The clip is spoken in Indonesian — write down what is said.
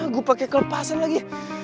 gue pake kelupasan lagi